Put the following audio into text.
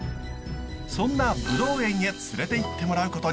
そんなブドウ園へ連れて行ってもらうことに。